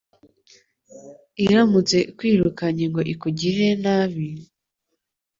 Iramutse ikwirukankanye ngo ikugirire nabi,